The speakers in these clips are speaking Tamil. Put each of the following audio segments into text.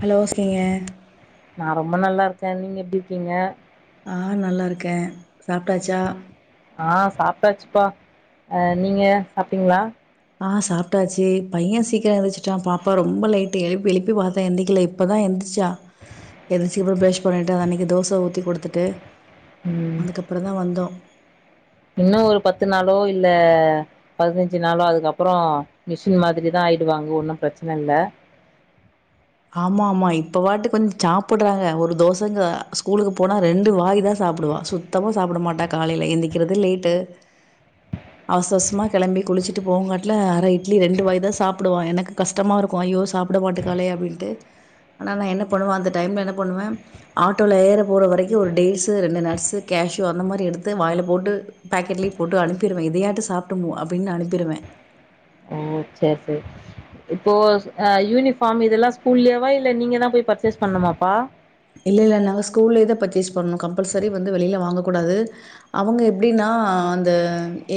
ஹலோ சீனியர் கே நீங்க எப்டி இருக்கீங்க நா நல்லா இருக்கே சாப்ட்டாச்சா ஆஹ் சாப்ட்டாச்சுப்பா அ நீங்க சாப்டிங்களா ஆஹ் சாப்பிட்டாச்சு பையன் சீக்கிரம் எழுந்திரிசிட்டான் பாப்பா ரொம்ப லேட்டு் எழுப்பி எழுப்பி பாத்தேன் எந்திக்கல இப்பதான் எந்திரிச்சா எந்திரச்சு அப்புறம் ப்ரஷ் பண்ணிட்டு அதை அன்னைக்கு தோசை ஊத்தி குடுத்துட்டு அதுக்கப்புற தான் வந்தோம் இன்னும் ஒரு பத்து நாளோ இல்ல பதினஞ்சு நாளோ அதுக்கப்புறம் மிஷின் மாதிரிதான் ஆயிடுவாங்க ஒன்னும் பிரச்சனை இல்ல ஆமா ஆமா இப்ப வாட்டு கொஞ்சம் சாப்பிடுறாங்க ஒரு தோசைங்க ஸ்கூலுக்கு போனா ரெண்டு வாய் தான் சாப்பிடுவான் சுத்தமா சாப்பிட மாட்டா காலையில எந்திக்கிறதுது லேட்டு அவசவசமா கிளம்பி குளிச்சுட்டு போவங்காட்டல ஆற இட்லி ரெண்டு வாய் தான் சாப்பிடுவான் எனக்கு கஷ்டமா இருக்கு ஐயோ சாப்பிட மாட்டே காலே அப்படின்னு டு ஆனா நான் என்ன பண்ணுவேன் அந்த டைம் என்ன பண்ணுவேன் ஆட்டோல ஏற போற வரைக்கு டேஸ் ரெண்டு நட்ஸ் கேஷிவ் அந்த மாரி எடுத்து வாயில போட்டு பாக்கெட்லயு போட்டு அனுப்பிருவேன் இதையாச்சும் சாப்பிடு அப்பிடின்னு அனுப்பிருவேன் ஓ சரி சரி இப்போ யூனிஃபார்ம் இதெல்லாம் ஸ்கூல்லயாவா இல்ல நீங்கதான் போய் பர்ச்சேஸ் பண்ணுமாப்பா இல்ல இல்ல நாங்கள் ஸ்கூல்லயே தான் பர்ச்சேஸ் பண்ணணு கம்பல்சரி வந்து வெளியில வாங்க கூடாது அவங்க எப்படின்னா அந்த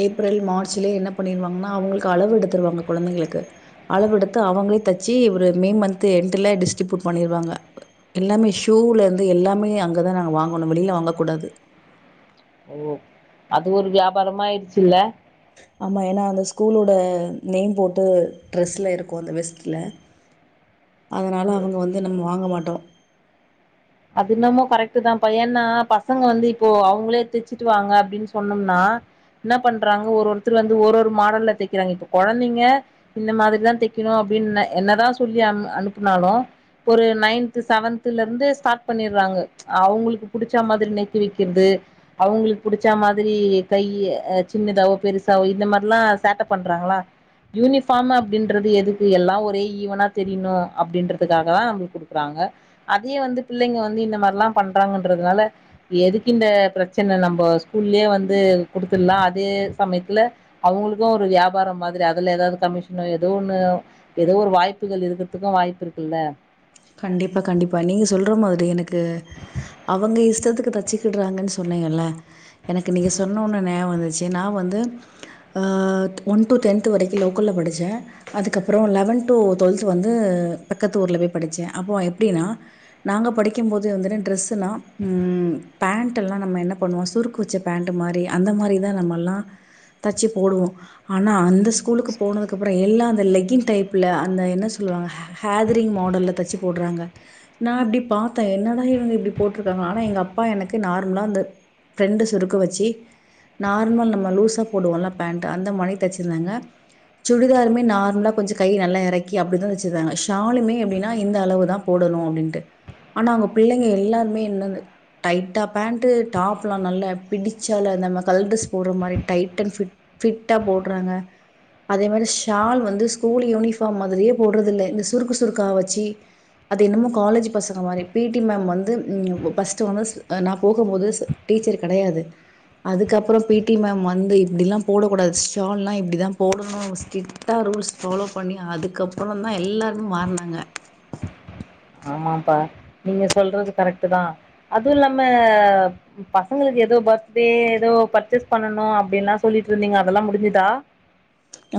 ஏப்ரல் மார்ச்லயே என்ன பண்ணிருவாங்கன்னா அவங்களுக்கு அளவு எடுத்துருவாங்க குழந்தைங்களுக்கு அளவு எடுத்து அவங்களே தச்சு ஒரு மே மந்த் எண்டல டிஸ்ட்ரிபியூட் பண்ணிருவாங்க எல்லாமே சு ஷூல இருந்து எல்லாமே அங்கதான் நாங்க வாங்கணு வெளியில வாங்க கூடாது ஓ அது ஒரு வியாபாரமாய்டுச்சுல்ல ஆமா ஏன்னா அந்த ஸ்கூலோட நேம் போட்டு ட்ரெஸ்ல இருக்கும் அந்த வெஸ்ட்ல அதனால அவங்க வந்து நம்ம வாங்க மாட் அடம் அது என்னமோ கரெக்ட் தான்ப்பா ஏன்னா பசங்க வந்து இப்போ அவங்களே தைச்சுட்டு வாங்க அப்படின்னு சொன்னோம்னா என்ன பண்றாங்க ஒரு ஒருத்தர் வந்து ஒரு ஒரு மாடல்ல தைக்கிறாங்க இப்ப குழந்தைங்க இந்த மாதிரிதான் தைக்கணும் அப்படின்னு என்னதான் சொல்லி அ அனுப்புனாலும் ஒரு நைன்து செவன்தல இருந்து ஸ்டார் பண்ணீர்றாங்க அவங்களுக்கு புடிச்சா மாதிரி நெக் வைக்கிறது அவங்களுக்கு புடிச்சா மாதிரி கை சின்னதாவோ பெருசாவோ இந்த மாதிரிலாம் சேட்டை பண்றாங்களா யூனிபார் அப்படின்றது எதுக்கு எல்லாம் ஒரே ஈவனா தெரியணும் அப்படின்றதுக்காக தான் அவங்களுக்குடுக்குறாங்க அதே வந்து பிள்ளைங்க வந்து இந்த மாதிரிலாம் பண்றாங்கன்றதுனால எதுக்கு இந்த பிரச்சனை நம்ம ஸ்கூல்லயே வந்து குடுத்துடலாம் அதே சமயத்துல அவங்களுக்கு ஒரு வியாபாரம் மாதிரி அதுல ஏதாவது கமிஷனோ ஏதோ ஒண்ணு ஏதோ ஒரு வாய்ப்புகள் இருக்கிறதுக்கு வாய்ப்பு இருக்குல்ல கண்டிப்பாக கண்டிப்பாக நீங்கள் சொல்ற மாதிரி எனக்கு அவங்க இஷ்டத்துக்கு தைச்சிக்கிடுறாங்கன்னு சொன்னீங்கல எனக்கு நீங்கள் சொன்ன ஒடனே நேம் வந்துச்சு நான் வந்து ஒன் டு டென்து வரைக்கும் லோக்கல்ல படிச்சேன் அதுக்கப்புறம் லெவன்த் டு டு்வெல்த் வந்து பக்கத்தூர் ல போய் படிச்சேன் அப்போ எப்படினா நாங்க படிக்கும் போது வந்து டிரஸ் னா பாண்ட் எல்லாம் நம்ம என்ன பண்ணுவோம் சுருக்கு வச்ச பாண்ட் மாரி அந்த மாரி தான் நம்மல்லாம் தச்சி போடுவோம் ஆனா அந்த ஸ்கூல்கு போனதுக்கப்றம் எல்லாம் அந்த லெக்கின் டைப்ல அந்த என்ன சொல்லுவாங்க ஹாதாரிங் மாடல்ல தச்சி போடுறாங்க நான் அப்பிடி பாத்தேன் என்னடா இவங்க இப்பிடி போட்டிருக்காங்க ஆனா எங்க அப்பா எனக்கு நார்மலா இந்த பிரண்ட் சுருக்கு வச்சி நார்மல் நம்ம லூசா போடுவோம்ல பாண்ட் அந்த மாரி தச்சிருந்தாங்க சுடிதாருமே நார்மலா கொஞ்சம் கை நல்லா இறக்கி அப்பிடி தான் தச்சுருப்பாங்க ஷால் மே எப்பிடினா னா இந்த அளவு தான் போடணும் அப்டீன்னுட்டு ஆனா அவங்க பிள்ளைங்க எல்லாருமே என்ன டைட்டா பாண்ட்டு டாப்ஸ் நல்லா பிடிச்சி அதில நம்ம கல்திஸ் போடுற மாரி டைட் ஆண்டு பிட்டா போடுறாங்க அதே மாரி ஷால் வந்து ஸ்கூல் யூனிபோர்ம் மாதிரியே போடுறது இல்ல இந்த சுருக்கு சுருக்குகா வச்சி வச்சி அது என்னமோ காலேஜ் பசங்க மாரி பி டி மேம் வந்து பஸ்ட் வந்ததும் நான் போகும் போது டீச்சர் கிடையாது அதுக்கப்புறம் பி டி மேம் வந்து இப்பிடில்லாம் போடா கூடாது ஷால்லாம் இப்பிடி தான் போடணும் ஸ்ட்ரிக்ட் ஆஹ் ரூல்ஸ் பால்லொவ் பண்ணி அதுக்கப்புற தான் எல்லாரு மாறுநாங்க ஆமாப்பா நீங்க சொல்றது கரெக்ட் தான் அதுவும் இல்லாம பசங்களுக்கு ஏதோ பர்த்டே ஏதோ பர்ச்சேஸ் பண்ணணு அப்படின்னுல்லா சொல்லிட்டு இருந்தீங்க அதெல்லாம் முடிஞ்சுதா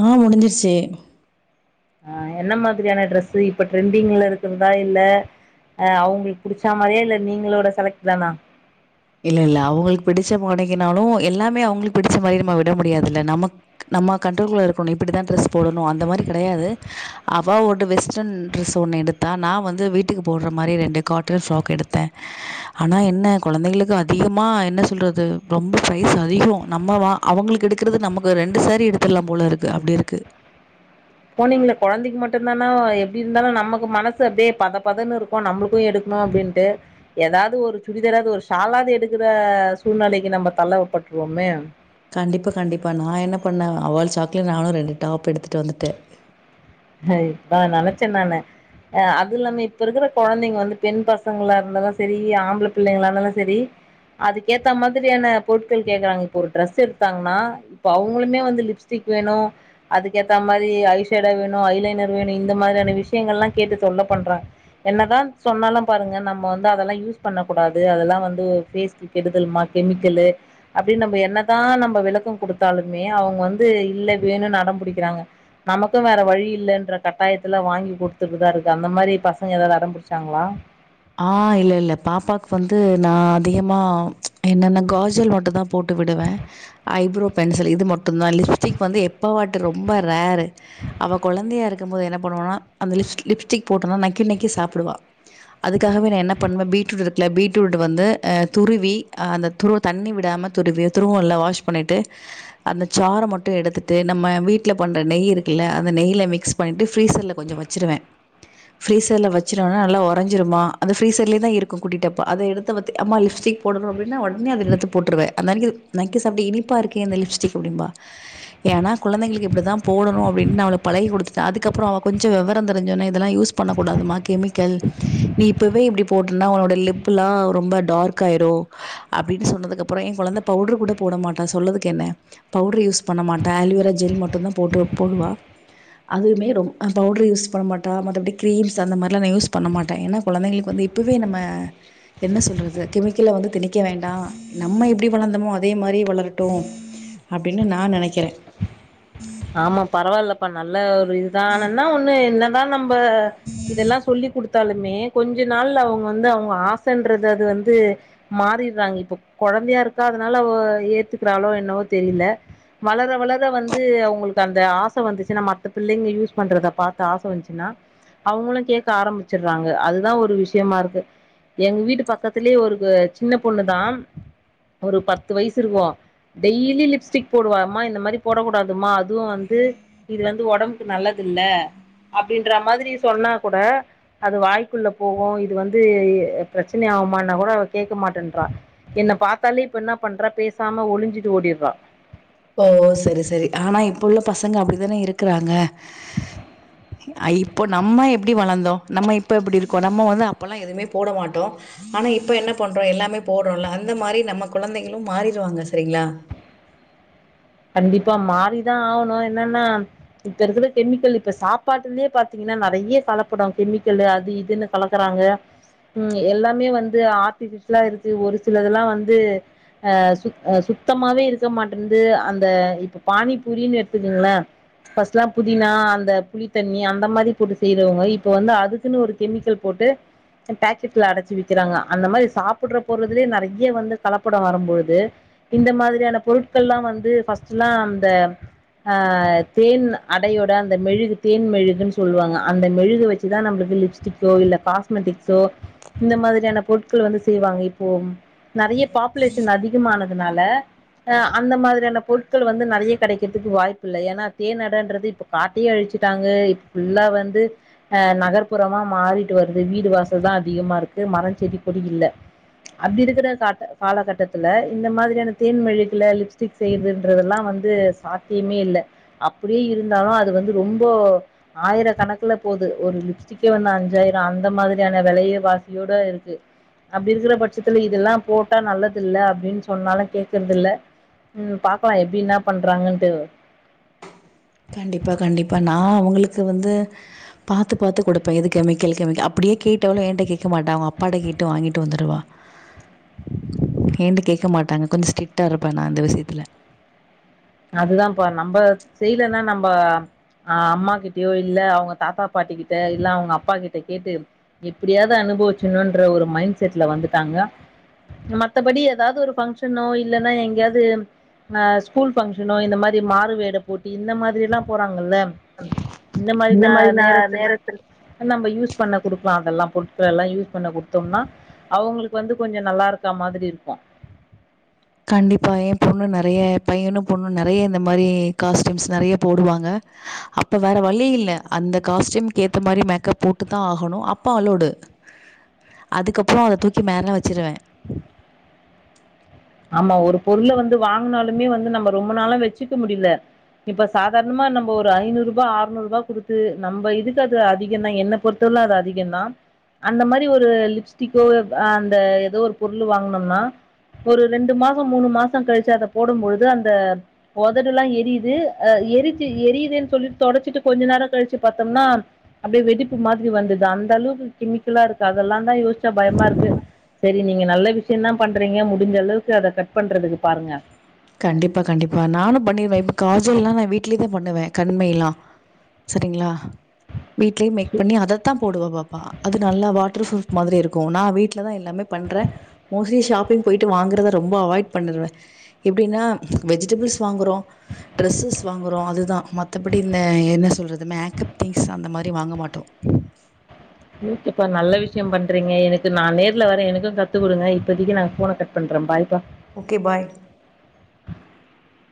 ஆஹ் முடிஞ்சிருச்சு ஆஹ் என்ன மாதிரியான ட்ரெஸ் இப்ப ட்ரெண்டிங்ல இருக்கிறதா இல்ல அஹ் அவங்களுக்கு புடிச்ச மாரியா இல்ல நீங்களோட செலக்ட் தானா இல்ல இல்ல அவங்களுக்கு பிடிச்ச உடைங்க நாளு எல்லாமே அவங்களுக்கு பிடிச்ச மாரி நம்ம விட முடியாது இல்ல நமக்கு நம்ம கண்ட்ரோல் இருக்கணு இப்பிடி தான் டிரஸ் போடணு அந்த மாரி கிடையாது அவ ஒரு வெஸ்டர்ன் டிரஸ் ஒன்னு எடுத்தா நான் வந்து வீட்டுக்கு போடுற மாரி ரெண்டு காட்டன் பிராக் எடுத்தேன் ஆனா என்ன குழந்தைகளுக்கு அதிகமா என்ன சொல்றது ரொம்ப பிரைஸ் அதிகம் நம்ம அவங்களுக்கு எடுக்குறது நமக்கு ரெண்டு சாரி எடுத்திரலா போல இருக்கு அப்பிடி இருக்கு போனீங்களா குழந்தைக்கு மட்டும்தானா எப்படி இருந்தாலு நமக்கு மனசு அப்படியே பத பதன்னு இருக்கு நம்மளுக்கு எடுக்கணு அப்படின்ட்டு ஏதாவது ஒரு சுடிதராது ஒரு ஷாலாவது எடுக்கற சூழ்நிலைக்கு நம்ம தள்ளப்பட்டுடுவோமே கண்டிப்பா கண்டிப்பா நான் என்ன பண்ணேன் அவள சாக்குல நானும் ரெண்டு டாப் எடுத்துட்டு வந்துட்டேன் இப்ப நினைச்சேன் நானு அது இல்லாம இப்ப இருக்கிற குழந்தைங்க வந்து பெண் பசங்களா இருந்தாலும் சரி ஆம்பள பிள்ளைங்களா இருந்தாலும் சரி அதுக்கேத்த மாதிரியான பொருட்கள் கேக்குறாங்க இப்ப ஒரு டிரரெஸ் எடுத்தாங்கன்னா இப்ப அவங்களுமே வந்து லிப்ஸ்டிக் வேணு அதுக்கேத்த மாதிரி ஐஷேடா வேணு ஐ லைனர் வேணு இந்த மாதிரியான விஷயங்கள்லா கேட்டு தொல்ல பண்றாங்க என்னதான் சொன்னாலு பாருங்க நம்ம வந்து அதலா யூஸ் பண்ண கூடாது அதலா வந்து பேஸ்க்கு கெடுதல் மா கெமிக்கலு அப்டின் நம்ம என்னதா நம்ம விளக்கம் குடுத்தாலுமே அவங்க வந்து இல்ல இது வேணுனு அடம்பிடிக்கிறாங்க நமக்கு வேற வழி இல்லைன்ற கட்டாயத்துல வாங்கி குடுத்துட்டு தான் இருக்கு அந்த மாதிரி பசங்க ஏதாவது அடம்பிடிச்சாங்களா ஆஹ் இல்ல இல்ல பாப்பாக்கு வந்து நான் அதிகமா என்னன்ன காஜல் மட்டும் தான் போட்டு விடுவேன் ஐப்ரோ பென்சில் இது மட்டு தான் லிப்ஸ்டிக் வந்து எப்ப வாட்டு ரொம்ப ரேரு அவ குழந்தையா இருக்கு போது என்ன பண்ணுவனா அந்த லிப்ஸ்டிக் போட்டனா நக்கி நக்கி சாப்பிடுவ அதுக்காகவே நான் என்ன பண்ணுவேன் பீட்ரூட் இருக்கல பீட்ரூட் வந்து துருவி அந்த துருவ தண்ணி விடாம துருவி துருவல்ல வாஷ் பண்ணிட்டு அந்த சாறை மட்டும் எடுத்துட்டு நம்ம வீட்டில் பண்ணற நெய் இருக்குல அந்த நெய்யில மிக்ஸ் பண்ணிட்டு ஃப்ரீசர் ல கொஞ்ச வச்சிருவேன் ஃப்ரீசர்ல வச்சிருவேன் நல்லா ஓர ஓரஞ்சிருமா அந்த ஃபிரீஸர்லதா இருக்கு குட்டி டப்பா அத எடுத்து வச்சுட் அம்மா லிப்ஸ்டிக் போடணு ன உடனே அது எழுத்து போட்டுருவே [unintelligible] நக்கி சாப்ட்டுஇனிப்பா இருக்கே இந்த லிப்ஸ்டிக் அப்டின்பா ஏன்னா குழந்தைகளுக்கு இப்படிதான் போடணும் அப்படின்னு ந அவளுக்கு பழகி குடுத்துட்டே அதுக்கப்புறம் அவள் கொஞ்ச விவரம் தெரிஞ்சன்னா இதெல்லா யூஸ் பண்ணக் கூடாதுமா கெமிக்கல் நீ இப்பவே இப்படி போட்டனா உன்னோட லிப்லா ரொம்ப டார்க் ஆயிரும் அப்படின்னு சொன்னதுக்குப்புறம் என் குழந்த பவுடர் கூட போட மாட்டா சொல்லறதுக்கு என்ன பவுடர் யூஸ் பண்ண மாட்ட அலோவேரா ஜெல் மட்டு தான் போட்டு போடுவா அதுமே பவுடர் யூஸ் பண்ண மாட்டா மத்தபடி கிரீம்ஸ் அந்த மாதிரிலா யூஸ் பண்ண மாட்டேன் ஏன்னா குழந்தைங்களுக்கு வந்து இப்பவே நம்ம என்ன சொல்றது கெமிக்கல்ல வந்து திணிக்க வேண்டாம் நம்ம எப்படி வளர்ந்தோமோ அதே மாதிரி வளரட்டும் அப்படின்னு நான் நினைக்கிறேன் ஆமா பரவாயில்லப்பா நல்ல ஒரு இதுான் ஆனன்னா ஒண்ணு என்னதான் நம்ம ப்ப இதெல்லாம் சொல்லி குடுத்து ட்டாலுமே கொஞ்ச நாள் அவங்க வந்து அவங்க ஆசைன்றது அது வந்து மாறிடுறாங்க இப்ப குழந்தையா இருக்க அதனால அவ ஏத்துக்கிறாளோ என்னவோ தெரியல வளர வளர வந்து அவங்க அவளுக்கு அந்த ஆசை வந்துச்சுனா மத்த பிள்ளைங்க யூஸ் பண்றத பாத்து ஆச வந்திச்சுன்னா அவங்களு கேக்க ஆரம்பிச்சறாங்க அதுதான் ஒரு விஷயமா இருக்கு எங்க வீட்டு பக்கத்திலயே ஒரு சின்ன பொண்ணு தான் ஒரு பத்து வயசு இருக்கு டெய்லி லிப்ஸ்டிக் போடுவா அம்மா இந்த மாதிரி போடக்கூடாதுமா அதுவும் வந்து இது வந்து உடம்புக்கு நல்லது இல்ல அப்படின்ற மாதிரி சொன்னா கூட அது வாய்க்குள்ள போகும் இது வந்து பிரச்சனை ஆகுமனா கூட அவ கேட்க மாட்டேன்றா என்ன பாத்தாலே இப்ப என்ன பண்றா பேசாம ஒளிஞ்சிட்டு ஓடிட்றா ஓ சரி சரி ஆனா இப்ப உள்ள பசங்க அப்படித்தான இருக்கறாங்க இப்போ நம்ம எப்படி வளந்தோ நம்ம இப்ப எப்படி இருக்கோ நம்ம வந்து அப்பல்லாம் எதுவுமே போட மாட்டோ ஆனா இப்ப என்ன பண்றோ எல்லாமே போடுறோல்ல அந்த மாதிரி நம்ம குழந்தைங்களு மாறிருவாங்க சரிங்களா கண்டிப்பா மாறிதா ஆகணு என்னன்னா இப்ப இருக்கிற கெமிக்கல் இப்ப சாப்பாட்டுலயே பாத்தீங்கன்னா நறைய கலப்படம் கெமிக்கல் அது இதுன்னு கலக்குறாங்க உஹம் எல்லாமே வந்து ஆர்டிபிஷியலா இருக்கு ஒரு சிலதெல்லா வந்து ஆஹ் சுத் சுத்தமாவே இருக்க மாட்டேது அந் இப்ப பானிபூரினு எடுத்துக்குங்களே ஃபஸ்ட்லா புதினா அந்த புளித்தண்ணி அந்த மாதிரி போட்டு செய்றவங்க இப்ப வந்து அதுக்குன்னு ஒரு கெமிக்கல் போட்டு பேக்கெட்ல அடைச்சு விக்கிறாங்க அந்த மாதிரி சாப்பிடுற போறதுலே நறைய வந்து கலப்பட வரும்பழுது இந்த மாதிரியான பொருட்கள்ல்லா வந்து ஃபஸ்ட் எலா அந்த ஆஹ் தேன் அடையோட அந்த மெழுகு தேன் மெழுகுன்னு சொல்லுவாங்க அந்த மெழுகு வச்சுதா நம்மளுக்கு லிப்ஸ்டிக்கோ இல்ல காஸ்மெட்டிக்ஸோ இந்த மாதிரியான பொருட்கள் வந்து செய்வாங்க இப்போ நறைய பாப்புலேஷன் அதிகமானது னால அந்த மாதிரியான பொருட்கள் கள் வந்து நறைய கெடைக்கிறதுக்கு வாய்ப்பு இல்ல ஏன்னா தேன் அடைன்றது இப்ப காட்டையே அழிச்சட்டாங்க இப்ப ஃபுல்லா வந்து ஹ் நகர்ப்புறமா மாறிட்டு வருது வீடு வாசல் தா அதிகமாக இருக்கு மர செடி கொடி இல்லை அப்படி இருக்கிற கா காலகட்டத்துல இந்த மாதிரியான தேன் மெழுகுல லிப்ஸ்டிக் செய்றது ன்றதெல்லா வந்து சாத்தியமே இல்ல அப்படியே இருந்தாலு அது வந்து ரொம்போ ஆயிர கணக்குல போது ஒரு லிப்ஸ்டிக்கே வந்து அஞ்சாயிர அந்த மாதிரியான வெலைய வாசியோட இருக்கு அப்படி இருக்கிற பட்சத்துல இதெல்லாம் போட்டா நல்லதில்ல அப்படின்னு சொன்னாலு கேக்கறதில்ல ம் பா க்லா எப்பிடி என்னா பண்றாங்கன்ட்டு கண்டிப்பா கண்டிப்பா நா அவுங்களுக்கு வந்து பாத்து பாத்து குடுப்பே இது கெமிக்கல் கெமிக்கல் அப்படியே கேட்டாலும் என்ட்ட கேக்க மாட்டா அவுங்க அப்பாட்ட கேட்டு வாங்கிட்டு வந்துடுவா ஏண்டு கேக்க மாட்டாங்க கொஞ்ச ஸ்ட்ரிக்ட் ஆ இருப்பே நா அந்த விஷயத்துல அதுதாம்ப்பா நம்ம செய்யலன்னா நம்மஹ் அம்மா கிட்டயோ இல்ல அவங்க தாத்தா பாட்டி கிட்ட இல்ல அவங்க அப்பா கிட்ட கேட்டு எப்படியாவது அனுபவிச்சணும்ன்ற ஒரு மைண்ட் செட்ல வந்துட்டாங்க மத்தபடி ஏதாவது ஒரு பங்க்ஷனோ இல்லன்னா எங்கயாவது அஹ் ஸ்கூல் பங்க்ஷனோ இந்த மாதிரி மாறு வேட போட்டி இந்த மாதிரிலாம் போறாங்க ல இந்த மாதிரி மாரி நா நேரத்துல நேரத்தில் நம்ம யூஸ் பண்ண குடுக்கலா அதெல்லா பொருட்கள எல்லா யூஸ் பண்ண குடுத்தோம்னா அவங்களுக்கு வந்து கொஞ்ச நல்லா இருக்கா மாதிரி இருக்கு கண்டிப்பா எம் பொண்ணு நறைய பையனு பொண்ணு நறைய இந்த மாரி காஸ்டயூம்ஸ் நறைய போடுவாங்க அப்ப வேற வழி இல்ல அந்த காஸ்ட்யூம்க்கு ஏத்த மாரி மேக்கப் போட்டுத்தா ஆகணு அப்ப அலவ்டு அதுக்கப்புற அத தூக்கி மேல வச்சிருவே ஆமா ஒரு பொருள வந்து வாங்குனாலுமே வந்து நம்ம ரொம்ப நாளா வச்சுக்க முடில இப்ப சாதாரணமா நம்ம ஒரு ஐநூறு ரூபாய் ஆர்நூறு ரூபா குடுத்து நம்ம இதுக்கு அது அதிகந்தா என்ன பொறுத்தவல அது அதிகந்தா அந்த மாரி ஒரு லிப்ஸ்டிக்கோ அந்த ஏதோ ஒரு பொருளு வாங்குனம்னா ஒரு ரெண்டு மாச மூணு மாச கழிச்சு அத போடும் பொழுது அந்த உதடு எல்லாம் எரியுது அஹ் எரிச்சு எரியுதுன்னு சொல்லிட்டு தொடச்சிட்டு கொஞ்ச நேரம் கழிச்சு பாத்தோம்னா அப்படியே வெடிப்பு மாதிரி வந்தது அந்த அளவுக்கு கெமிக்கலா இருக்கு அதெல்லாந்தா யோசிச்சா பயமா இருக்கு சரி நீங்க நல்ல விஷயந்தா பண்றீங்க முடிஞ்ச அளவுக்கு அத கட் பண்றதுக்கு பாருங்க கண்டிப்பா கண்டிப்பா நானும் பண்ணிருவே இப்ப காஜல் எல்லா நா வீட்லயே தா பண்ணுவே கண்மை எல்லா சரிங்ளா வீட்லயே மேக் பண்ணி அதத்தா போடுவா பாப்பா அது நல்ல வாட்டர் ப்ரூஃப் மாதிரி இருக்கு நா வீட்டுல தா எல்லாமே பண்ற மோஸ்ட்லி ஷாப்பிங் போயிட்டு வாங்குறத ரொம்ப அவாய்ட் பண்ணருவே எப்டின்னா வெஜிடபிள்ஸ் வாங்கறோ டிரெஸ்ஸஸ் வாங்க றோ அதுதா மத்தபடி இந்த என்ன சொல்றது மேக்கப் திங்ஸ் அந்த மாரி வாங்க மாட்டோம் எப்பா நல்ல விஷயம் பண்றீங்க எனக் நா நேர்ல வர்ரே எனக்கு கத்துக் குடுங்க இப்பதைக்கு நா ஃபோன கட் பண்றே பாய்ப்பா ஓகே பாய் [inaudible]